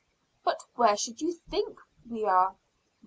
"But where should you think we are?"